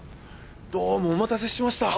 どうもお待たせしました。